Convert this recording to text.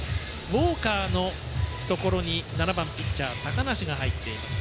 ウォーカーのところに７番ピッチャー高梨が入っています。